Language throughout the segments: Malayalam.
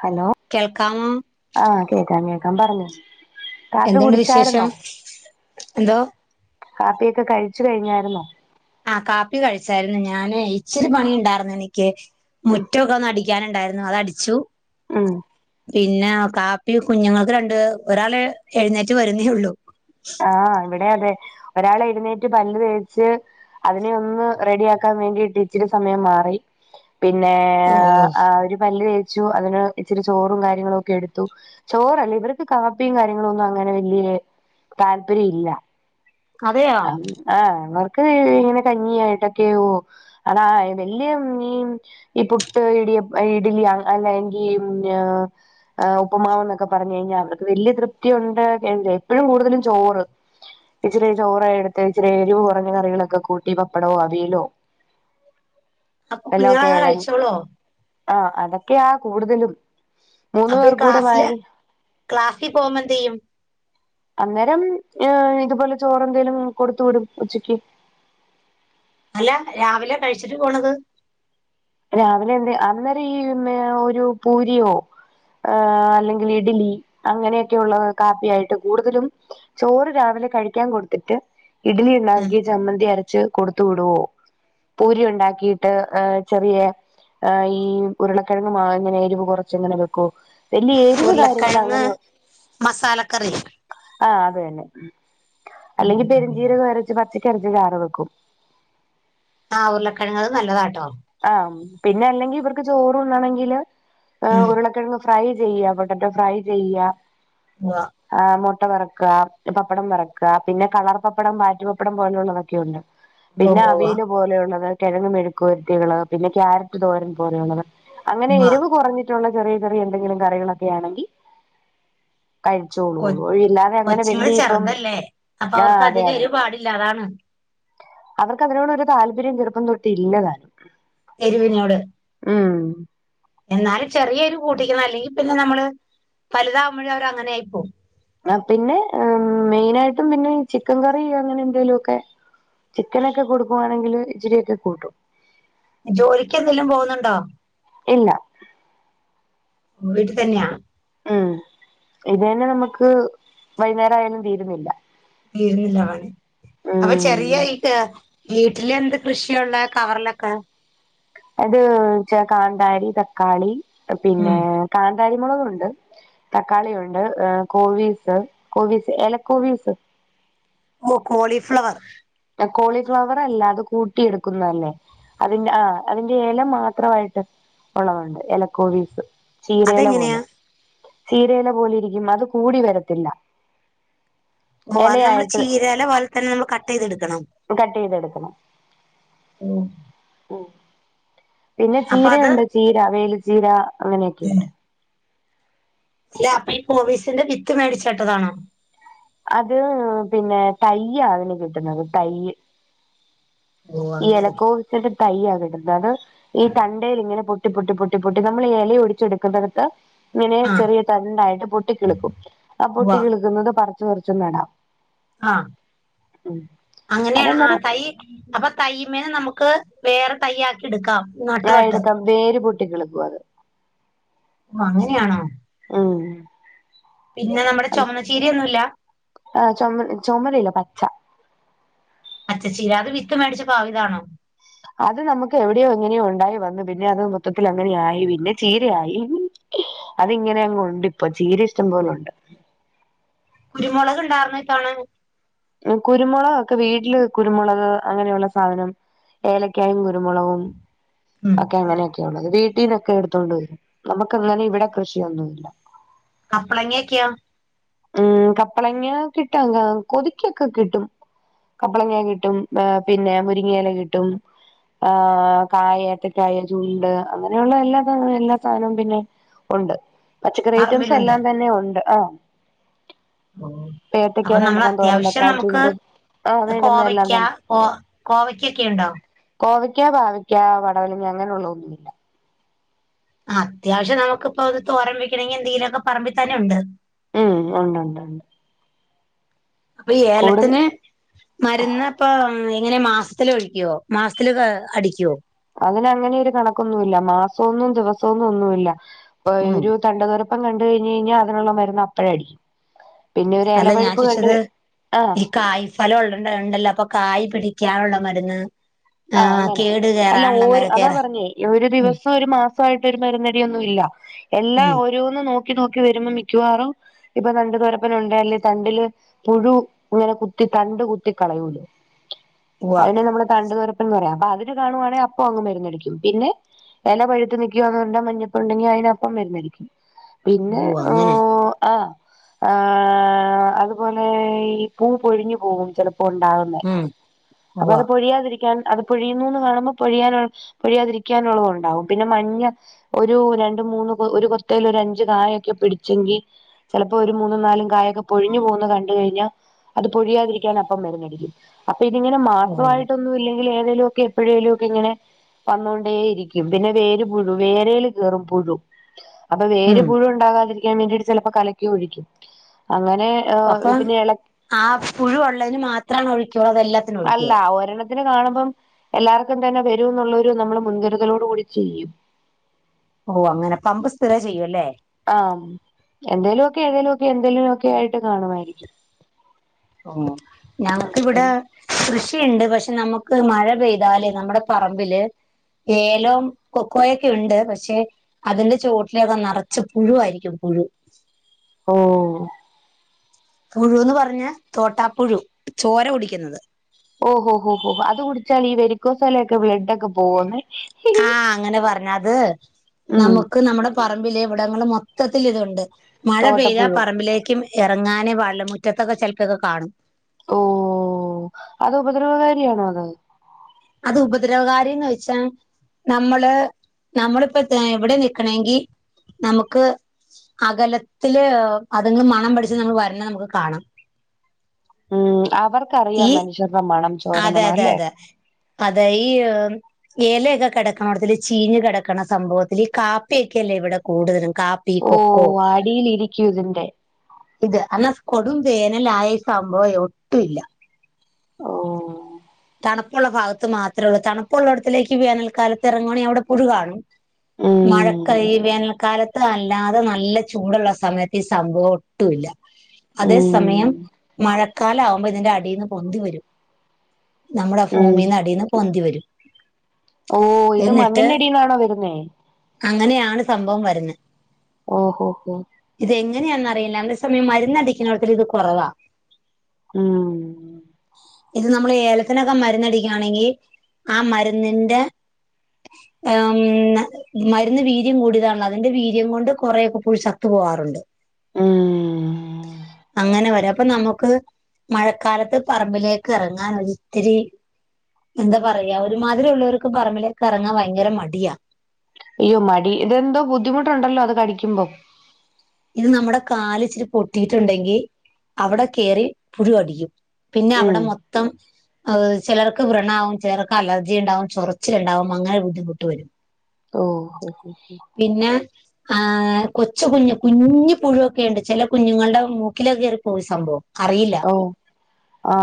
ഹലോ കേൾക്കാമോ? ആ കേക്കാം കേക്കാം പറഞ്ഞോ കാപ്പി എന്ത്‌ ണ്ട് വിശേഷം കുടിച്ചായിരുന്നോ എന്തോ കാപ്പിയൊക്കെ കഴിച്ചു കഴിഞ്ഞായിരുന്നോ ആ കാപ്പി കഴിച്ചായിരുന്നു ഞാന് ഇച്ചിരി പണി ണ്ടായിരുന്നു എനിക്ക് ഉം മുറ്റൊക്കെന്ന് അടി ടക്കാനുണ്ടായിരുന്നു അത് അടിച്ചു ഉം പിന്നെ കാപ്പി കുഞ്ഞുങ്ങൾക്ക് രണ്ട് ഒരാൾ എഴുന്നേറ്റ് വരുന്നേ ഉള്ളു ആ ഇവിടെ അതെ ഒരാൾ എഴുന്നേറ്റ് പല്ല് തേച്ച് അതിനെ ഒന്ന് റെഡിയാക്കാൻ വേണ്ടിട്ട് ഇച്ചിരി സമയം മാറി പിന്നെ ഓ ആ ഒരു പല്ല് തേച്ചു അതിന് ഇച്ചിരി ചോറും കാര്യങ്ങളും ഒക്കെ എടുത്തു ചോറല്ലേ ഇവർക്ക് കാപ്പിയും കാര്യങ്ങളും ഒന്നും അങ്ങനെ വല്യ താല്പര്യ ഇല്ല അതെയോ ആ അവർക്ക് ഇങ്ങനെ കഞ്ഞി ആയിട്ടൊക്കെയ അതാ വല്യ മീ ഈ പുട്ട് ഇടിയ ഇഡലി അല്ലെങ്കി ആ ഉപ്പ്മാവ് എന്നൊക്കെ പറഞ്ഞു കഴിഞ്ഞാൽ അവർക്ക് വലിയ തൃപ്തി ഉണ്ട് എപ്പോഴും കൂടുതലും ചോറ് ഇച്ചിരി ചോറ എടുത്ത് ഇച്ചിരി എരിവ് കുറഞ്ഞ കറികളൊക്കെ കൂട്ടി പപ്പടമോ അവിയലോ [inaudible] എല്ലാംഓ ക്കെ കുഞ്ഞുങ്ങളങ്ങനെ എഴ കഴിച്ചോളോ ആ അതൊക്കെയാ കൂടുതലും മൂന്നു അപ്പൊ ഈ പേർക്കൂടെ ക്ലാസ്സില് മാരി ക്ലാസ്സിൽ പോകുമ്പോ എന്ത്‌ ചെയ്യും അന്നേരം ഏ ഇതുപോലെ ചോറെ എന്തേലും കൊടുത്തു വിടും ഉച്ചക്ക് അല്ല രാവിലെ കഴിച്ചിട്ട് പോണത് രാവിലെ എന്ത് അന്നേര ഈ ന്നെ ഒരു പൂരിയോ ഏ അല്ലെങ്കിൽ ഇഡലി അങ്ങനെയൊക്കെ ഉള്ള കാപ്പിയായിട്ട് കൂടുതലും ചോറ് രാവിലെ കഴിക്കാൻ കൊടുത്തിട്ട് ഇഡ്ലി ഉണ്ടാക്കി ചമ്മന്തി അരച്ച് കൊടുത്തു വിടുവോ പൂരി ഉണ്ടാക്കിയിട്ട് ചെറിയ ഈ ഉരുളക്കിഴങ്ങ് മാ ഇങ്ങനെ എരിവ് കുറച്ച് എങ്ങനെ വെക്കൂ വലിയ എരിവ് കാര്യങ്ങ ഉരുളക്കിഴങ്ങ് അങ്ങനെയോ മസാലക്കറി ആ അത് തന്നെ അല്ലെങ്കി പെരിഞ്ചീര കരച്ച് പച്ചക്കരച്ച് ചാറ് വെക്കും ആഹ് ഉരുളക്കിഴങ്ത് നല്ലതാട്ടോ ആഹ പിന്നെ അല്ലെങ്കിൽ ഇവർക്ക് ചോറുണ്ണണെങ്കില് അ ഉം ഉരുളക്കിഴങ്ങ് ഫ്രൈ ചെയ്യ പൊട്ടാറ്റോ ഫ്രൈ ചെയ്യ ങ്ങ ആ മുട്ട വറക്ക പപ്പടം വറക്ക പിന്നെ കളർ പപ്പടം വാറ്റുപപ്പടം പോലുള്ളതൊക്കെ ഉണ്ട് പിന്നെ ഉവ്വ ഉവ്വ അവിയൽ പോലെയുള്ളത് കിഴങ്ങ് മെഴുക്ക്‌ ക്യാ ഉള്ളത് പിന്നെ കാരറ്റ് തോരൻ പോലെയുള്ളത് അങ്ങനെ ഉവ്വ എരിവ് കുറഞ്ഞി് ചെറിയ ചെറിയ എന്തെിലും കറികൊക്കെ ആണെങ്കി കഴ് കൊ ച്ചോളള്ളൂ ഒഴിയില്ലാതെ അങ്ങനെ കൊച്ചുങ്ങൾ വലിയ ഇപ്പം ചെറുതല്ലേ അപ്പൊ ആഹ അവർക്ക് അതെ അധികം അതെ എരു പാടില്ല അതാണ് അവർക്ക് അതിനോട് ഒരു താല്പര്യം ചെറുപ്പം തൊട്ട് ഇല്ലതാലും എരിവിനോട് ഉം എന്നാലും ചെറിയൊരു കൂട്ടിക്കുന്ന അല്ലെങ്കിൽ പിന്നെ നമ്മള് വ ലുതാവകുമ്പോഴും അവർ അങ്ങനെ ആയി പോകും ആ പിന്നെ മെയിന ആയിട്ടും പിന്നെ ചിക്കൻ കറി അങ്ങനെ എന്തെലും ഒക്കെ ചിക്കനൊക്കെ കൊടുക്കുവാണെങ്കില് ഇച്ചിരൊക്കെ കൂട്ടും ജോലിക്ക് എന്തെങ്കലും പോകുന്നുണ്ടോ ഇല്ല വീട്ടിൽ തന്നെയാ ഉം ഇത് തന്നെ നമുക്ക് വൈുന്നേര ആയാലും തീരുന്നില്ല തീരുന്നില്ല [unintelligible] അപ്പൊ ചെറിയ ഉം ഈ വീട്ടില എന്ത് കൃഷിയള്ള കവറിലൊക്കെ അത് കാന്താരി തക്കാളി ഉം പിന്നെ കാന്താരി മുളക ഉണ്ട് തക്കാളി ഉണ്ട് കോവീസ് കോവീസ് ഇലക്കോവീസ് മ കൊളിഫ്ലവർ കോളിഫ്ലവർ അല്ല അത് കൂട്ടി എടുക്കുന്നതല്ലേ അതിന്റെ ആ അതിന്റെ ഇല മാത്രമായിട്ട് ഉള്ളതുണ്ട് ഇലക്കോവീസ് ചീരയില അതെങ്ങനെയാ പോലെ ചീരയില പോലെ ഇരികും അത് കൂടി വരത്തില്ല ഓ അത് നമ്മള് ഇലയായിട്ട് ചീരയില പോലെ തന്നെ നമ്മൾ കട്ട് യ്ത് ടുക്കണം കട്ട് യ്തെടുക്കണം ഉ പിന്നെ അപ്പൊ അത് ചീരുണ്ട് ചീര വേൽ ചീര അങ്ങനെയൊക്കെയുണ്ട് അല്ലെ അപ്പൊ ഈ പോലീസിന്റെ വിത്ത് മേടിച് നട്ടതാണോ അത് പിന്നെ തയ്യ് ആണ് കിട്ടുന്നത് തയ്യ് ഓ ഈ അങ്ങനെ ഇലക്കോവിസിന്റെ തയ്യ് ആണ് കിടുന്നത് ഈ തണ്ടൽ ഇങ്ങനെ പൊട്ടി പൊട്ടി പൊട്ടി പൊട്ടി നമ്മള്ഈ ഇലൊടിച്ചെടുക്കുന്നടത്ത് ഇങ്ങനെ ആ ചെറിയ തണ്ടായിട്ട് പൊട്ടിക്കിളക്കും ആ ഉവ്വ പൊട്ടിക്കിളിക്കുന്നത് പറച്ചു പറച്ചും നടാം ആഹ ഉം അങ്ങനെയ ആ അതന്നേരം തൈ അപ്പൊ തയ്മേന് നമുക്ക് വേറെ തയ്യ ആക്കി എടുക്കാം നട്ട് ആ തട്ട് എടുക്കാം വേര് പൊട്ടി കിളിക്കും അത് ഓ അങ്ങനെയാണോ ഊ ഉം പിന്നെ നമ്മുടെ ചുമന്ന ചീര ഒന്നുല്ല ആ ചുമ ചുമരല്ല പച്ച പച്ച ചീര അത് വിത്ത് മേടിച്ച് പാവിതാണോ അത് നമുക്ക് എവിടെയോ എങ്ങനെയോ ഒണ്ടായി വന്നു പിന്നെ അത് മൊത്തത്തിലങ്ങനെയായി പിന്നെ ചീരയായി അതി ഇങ്ങനെ അങ്ങ് ഉണ്ടിപ്പൊ ചീര ഇഷ്ടംപോലൊണ്ട് കുരുമുളക് ണ്ടാർന്നട്ടോണ ഉം കുരുമുളകൊക്കെ വീട്ടില് കുരുമുളക് അങ്ങനെയുള്ള സാധനം ഏലയ്ക്കായും കുരുമുളകും ഉം ഒക്കെങ്ങനെയൊക്കെ ഞമ്മക്ക് വീടീന്നൊക്കെ എടുത്തൊണ്ട് വരും നമുക്ക്ങ്ങനെ ഇവിടെ കൃഷിയൊന്നുല്ല കപ്പ്ളങ്ങക്കൊയോ? ഉം കപ്പ്ളങ്ങ കിട്ടാ ക കൊതി ക്കൊക്കെ കിട്ടും കപ്പ്ളങ്ങ കിട്ടും ഓ പിന്നെ മുരിങ്ങേല കിട്ടും ആ കായ ഏത്തക്കായ ചുണ്ട് അങ്ങനെയുള്ള എല്ലാ സ എല്ലാ സാധനവും പിന്നെ ഒണ്ട് പച്ചക്കറി ഐറ്റംസ് പറമ്പിലുണ്ട് എല്ലാം തന്നെ ഒണ്ട് ആ ഓ അപ്പൊ നമ്മൾ രണ്ടെണ്ണം തോരൻ അത്യാവശ്യ പക്ഷെ വെക്കാൻ നമുക്ക് ചുണ്ടും ആഹ് വേണ്ടുന്ന എല്ലാം കോവയ്ക്ക തന്നെ കോ കോവയ്ക്കൊക്കെ ഒണ്ടോ,? കോവയ്ക്ക പാവക്ക പടവലങ്ങ അങ്ങനെയുള്ളതൊന്നുമില്ല ആ അത്യാവശ്യം നമുക്കിപ്പൊ തോരം വെക്കണെങ്കി എന്തെങ്കിലൊക്കെ പറമ്പിതന്നെ ഉണ്ട് ഉം ഒണ്ട്ണ്ട്ണ്ട് അപ്പൊ ഈ കൂടുതൽ ഏലത്തിന് മരുന്നപ്പൊ എങ്ങനെ മാസത്തില് ഒഴിക്കോ മാസത്തില് ത് അടിക്കോ അങ്ങനെ അങ്ങനൊരു കണക്കൊന്നുല്ല മാസവൊന്നും ദിവസമൊന്നും ഒന്നുമില്ല ഉം ഒരു തണ്ടു തറുപ്പം കഴിഞ് കഴിഞ്ഞാ അതിനുള്ള മരുന്ന് അപ്പഴടിക്കും പിന്നെ ഒരു എലപഴുപ്പ് കണ്ട് ആ കായ് ഫലം ഉള്ളണ്ട് ഉണ്ടല്ലോ അപ്പൊ കായ് പിടിക്കാനുള്ള മരുന്ന് ആ ആഹ് അങ്ങനെ കേട് അല്ല കേറാനുള്ള മ ഓര് അതാ കേറ പറഞ്ഞേ ഒരു ഉം ദിവസം ഒരു മാസം പ്പായിട്ടൊരു മരുന്നടിയൊന്നുല്ല എല്ലാ ഉം ഓരോന്ന് നോക്കി നോക്കി വരുമ്പൊ മിക്കവാറും ഇപ്പൊ തണ്ട് തൊരപ്പനുണ്ടേല് തണ്ടില് പുഴു ഇങ്ങനെ കുത്തി തണ്ട് കുത്തി കളയോല് [inaudible] അതിന് നമ്മള് തണ്ടുതൊരപ്പൻന്ന് പറയും അപ്പ അതില് കാണുവാണെങ്കി അപ്പൊ അങ്ങ് മരുന്നടിക്കും പിന്നെ എല പഴുത്തു നിക്കുവാന്ന് ണ്ടാ മഞ്ഞപ്പുണ്ടെങ്കി അതിനപ്പം മരുന്നടിക്കും പിന്നെ ഓ അ ആ അതുപോലെ ഈ പൂ പൊഴിഞ്ഞു പോവും ചെലപ്പോ ഉണ്ടാവ ന്നെ ഉം ഉവ്വ അപ്പൊത് പൊഴിയാതിരി ക്കാൻ അത് പൊഴിയുന്നുന്ന് കാണുമ്പോ പൊഴിയാനാണ് പൊഴിയാതിരിക്കാനുള്ളതൊണ്ടാവും പിന്നെ മഞ്ഞ് ഒരു രണ്ട് മൂന്ന് ഒരു കൊതേല് ഒരു അഞ്ച് കായൊക്കെ പിടിച്ചെങ്കി ചെലപ്പോ ഒരു മൂന്നും നാലും കാ യൊക്കെ പൊഴിഞ്ഞു പോകുന്ന കണ്ട് കഴിഞ്ഞാ അത് പൊഴിയാതിരിക്കാൻ അപ്പം മരുന്നടിക്കും അപ്പൊ ഇതിങ്ങനെ ഉം മാസവായിട്ടൊന്നും ഇല്ലെങ്കിൽ ഏതേങ്കലു ഒക്കെ എപ്പോഴേലും ഒക്കെ ഇങ്ങനെ വന്നോണ്ടേ ഇരിക്കും പിന്നെ വേര് പുുഴു വേരൽ കേയറും പുഴു അപ്പൊ വേര് ഉം പുഴു ഉണ്ടാകാതിരിക്കാൻ വേണ്ടിട്ട് ചിലപ്പോ കലക്കി ഒഴിക്കും അങ്ങനെ അപ്പം പിന്നെ എള ആ പുഴുവൊള്ളതിന് മാത്രാണ് ഒഴിക്കുള്ളൂ അതെല്ലാ അല്ല ഒരെണ്ണ തിന് കാണുമ്പം എല്ലാർക്കും തന്നെ വരൂന്നുള്ളൊരു നമ്മള് മുൻകരുതലോടു കൂടി ചെയ്യും ഓ് അങ്ങനെ പമ്പ് സ്ഥിര ചെയ്യൂ അല്ലേ ആ എന്തേലു ഒക്കെ ഏതേലും ഒക്കെ എന്തേലും ഒക്കെ ആയിട്ട് കാണുമായിരിക്കും ഓ ഞങ്ങക്കിവിടെ ഉം കൃഷിയുണ്ട് പക്ഷെ നമുക്ക് മഴ പെയ്താല് നമ്മുടെ പറമ്പില് ഏലം കൊക്കോൊയൊക്കെ ഉണ്ട് പക്ഷെ അതിന്റെ ചുവട്ടിലൊക്കെ നിറച്ച പുഴു ആയിരിക്കും പുഴു ഓ പുഴുന്ന് പറഞ്ഞാ തോട്ടാപ്പുഴു ചോര കുടിക്കുന്നത് ഓഹോ ഹോ ഹോ അത് കുടിച്ചാൽ ഈ വെരിക്കോസാലൊക്കെ ബ്ലഡ് ഒക്കെ പോകുന്ന ആഹ അങ്ങനെ പറഞ്ഞത് ഉം നമുക്ക് നമ്മുടെ പറമ്പിലെ ഇവിടങ്ങള മൊത്തത്തിൽ ഇതുണ്ട് മഴ പെയ്താ തോട്ടപ്പുഴു പറമ്പിലേക്കും ഇറങ്ങാനേ പാടുള്ള മുറ്റത്തൊക്കെ ചിലപ്പോൊക്കെ കാണും ഓ അത് ഉപദ്രവകാരിയാണോ അത് അത് ഉപദ്രവകാരിന്ന് ചോയിച്ചാ നമ്മള് നമ്മളിപ്പോ എവിടെ നിക്കെണെങ്കിൽ നമുക്ക് അകലത്തില് അത് ന്ന് മണം പിടിച്ച് നമ്മള് വരണ നമുക്ക് കാണാം ഉം അവർക്കറിയാം ഈ മനുഷ്യരുടെ മണം അതെ ചോരമണം അതെ അല്ലേ അതെ അതെ ഈ എലയൊക്കെ കിടക്കണതില് ചീഞ്ഞ് കിടക്കണ സംഭവത്തില് ഈ കാപ്പിയൊക്കെല്ലേ ഇവിടെ കൂടുതലും കാപ്പ ഓ പികൊക്കൊ അടിയിലിരിക്കും ഇതിന്റെ ഇത് എന്നാൽ കൊടും വേനലായ ഈ സംഭവം ഒട്ടുംല്ല ഓ തണുപ്പുള്ള ഭാഗത്ത് മാത്രേള്ളൂ തണുപ്പുള്ളടത്തിലേക്ക് വേനൽക്കാലത്ത് ഇറങ്ങാണെ അവിടെ പുഴു കാണും ഉം മഴക്കയ് വേനൽകാലത്ത് അല്ലാതെ നല്ല ചൂടുള്ള സമയത്ത് ഈ സംഭവം ഒട്ടു ഇല്ല ഉം സമയം മഴക്കാലാകുമ്പോ ഇതിന്റെ അടിന്ന് പൊന്തി വരും നമ്മുടെ ഉം ഭൂമിന്ന് അടീന്ന് പൊന്തി വരും ഓ ഇത് എന്നിട്ട് മണ്ണിന്റെടീന്നാണോ വരുന്നേ അങ്ങനെയാണ് സംഭവം വരുന്നെ ഓഹോ ഹോ ഇതെങ്ങനെയാണന്നറിയില്ല അതേ സമയം മരന്നടിക്കുന്നോട്ത്ത് ഇത് കുറവാ ഉം ഇത് നമ്മള് ഏലത്തിനൊക്കെ മരുന്നടിക്കാണെങ്കി ആ മരുന്നിന്റെ ഉം മരുന്ന് വീര്യം കൂടിയതാണ് അതിന്റെ വീര്യം കൊണ്ട് കുറേയൊക്കെ പുഴു ചത്തു പോകാറുണ്ട് ഉം അങ്ങനെ വരാ അപ്പൊ നമുക്ക് മഴക്കാലത്ത് പറമ്പിലേക്ക് ഇറങ്ങാനൊരിത്തിരി എന്താ പറയാ ഒരുമാതിരി ഉള്ളോർക്ക് പറമ്പിലേക്ക് ഇറങ്ങാൻ ഭയങ്കര മടിയാ അയ്യോ മടി ഇതെന്തോ ബുദ്ധിമുട്ടുണ്ടല്ലോ അത് കടിക്കുമ്പോ ഇത് നമ്മുടെ കാലിച്ചിരി പൊട്ടിട്ടുണ്ടെങ്കിൽ അവിടെ കേറി പുഴു കടിക്കും പിന്നെ ഉം അവിടെ മൊത്തം ചിലർക്ക് വ്രണാവും ചിലർക്ക് അലർജി ഉണ്ടാവും ചൊറച്ചിലുണ്ടാവും അങ്ങനെ ബുദ്ധിമുട്ട് വരും ഓ ഓ ഓ ഹ പിന്നെ ആ കൊച്ച് കുഞ്ഞു കുഞ് പുഴുവൊക്കെണ്ട് ചെല കുഞ്ഞുങ്ങളുടെ മൂക്കിലൊക്കെ കേറിപ്പോവും ഈ സംഭവം അറിയില്ല ഓ ആ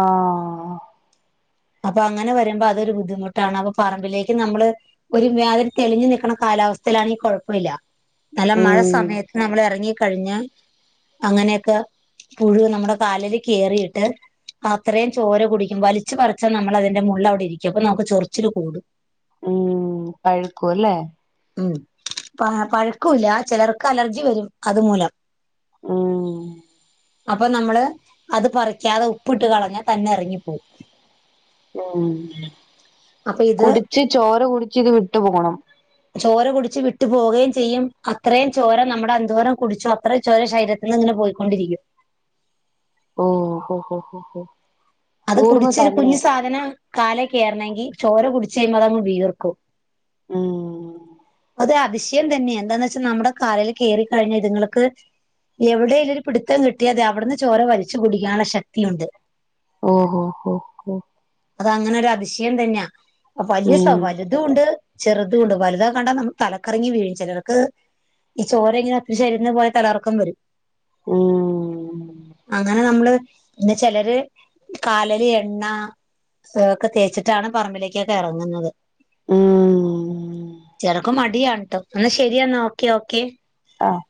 അപ്പൊ അങ്ങനെ വരുമ്പോ അതൊരു ബുദ്ധിമുട്ടാണ് അപ്പൊ പറമ്പിലേക്ക് നമ്മള് ഒരു മ്യാതിരി തെളിഞ്ഞു നിൽക്കണ കാലാവസ്ഥേലാണെങ്കിൽ കൊഴപ്പല്ല നല്ല മഴ ഉം സമയത്ത് നമ്മള് എറങ്ങിക്കഴിഞ്ഞ അങ്ങനെയൊക്കെ പുഴു നമ്മുടെ കാലേല് കേറിട്ട് അത്രേം ചോര കുടിക്കും വലിച്ചു പറി പക്ഷെ നമ്മളതിന്റെ മുള്ള് വിടെ ഇരിക്കും അപ്പ നമക്ക് ചൊറിച്ചില് കൂടും ഉം പഴുക്കൂല്ലേ ഉം പഴുക്കൂല്ല ചെലർക്ക് അലർജി വെരും അതുമൂലം ഉം അപ്പൊ നമ്മള് അത് പറിക്കാതെ ഉപ്പിട്ട് കളഞ്ഞാ തന്നെ എറങ്ങിപ്പോവും ഉം അപ്പൊ ഇത് ക്ഷേ ചോര കുടിച്ച് ഇത് വിട്ട് പോണം ചോര കുടിച്ച് വിട്ട് പോകേം ചെയ്യും അത്രേം ചോര നമ്മുടെ എന്തോരം കുടിച്ചോ അത്ര ചോര ശരീര ന്ന്ങ്ങനെ പോയിക്കൊണ്ടിരിക്കും ഓ ഹൊ ഹൊ ഹൊ അത് കുടിച്ച് കുഞ്ഞു സാധനം കാലേ കേറണെങ്കി ചോര കുടിച്ച് കഴിയുമ്പോ അതങ്ങ് വീർക്കും ഉം അത് അതിശയം തന്നെ എന്താന്നെച്ചാ നമ്മടെ കാലെ കേറി കഴിഞ്ഞ ഇത്ങ്ങക്ക് എവിടെലൊരു പിട്ത്തം കിട്ടിയാതി അവ്ട്ന്ന് ചോര വലിച്ച് കുടിക്കാനുള്ള ശക്തിയുണ്ട് ഓഹൊ ഹൊ ഹൊ അതങ്ങനൊരു അതിശയം തന്ന്യാ വല്യ ഉം സവാ വല് തുണ്ട് ചെറുതുണ്ട് വലുതാ കണ്ടാ നമ്മ തലക്കറങ്ങി വീഴും ചെലർക്ക് ഈ ചോരങ്ങനെ [unintelligible] ശരീരത്ത് പോയ തലർക്കം വരും ഉം അങ്ങനെ നമ്മള് ഇന്ന് ചെലര് കാല് ല് എണ്ണ [unintelligible] ഒക്കെ തേച്ചിട്ടാണ് പറമ്പിലേക്കൊക്കെ എറങ്ങുന്നത് ഉം ചെറക്ക് മടിയാണ് ട്ടോ ന്നാ ശെരിയെന്നാ ഓക്കെ ഓക്കെ ആഹ്